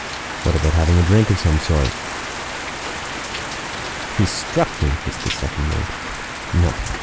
"What about having a drink of some sort?" "He struck me," hissed the second mate. "No!